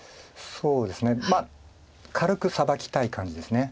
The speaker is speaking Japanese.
そうですねまあ軽くサバきたい感じです。